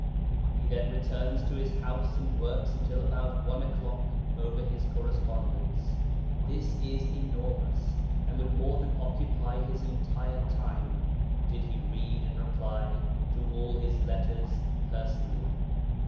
'He then returns to his house and works until about one o'clock over his correspondence. This is enormous, and would more than occupy his entire time, did he read and reply to all his letters personally.